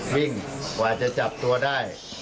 วิ่งกว่าจะจับตัวได้